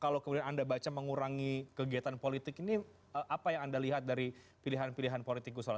kalau kemudian anda baca mengurangi kegiatan politik ini apa yang anda lihat dari pilihan pilihan politik gusola